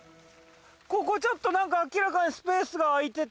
ここちょっと何か明らかにスペースが空いてて。